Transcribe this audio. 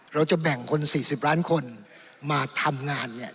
เราจะแบ่งคน๔๐ล้านคนมาทำงานเนี่ย